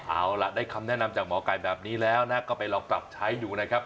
เอาล่ะได้คำแนะนำจากหมอไก่แบบนี้แล้วก็ไปลองปรับใช้ดูนะครับ